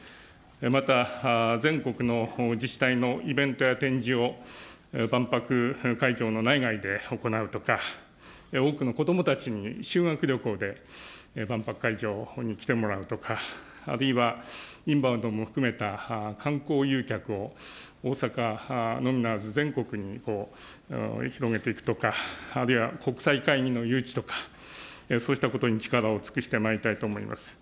また、全国の自治体のイベントや展示を万博会場の内外で行うとか、多くの子どもたちに修学旅行で万博会場に来てもらうとか、あるいはインバウンドも含めた観光誘客を大阪のみならず、全国に広げていくとか、あるいは国際会議の誘致とか、そうしたことに力を尽くしてまいりたいと思います。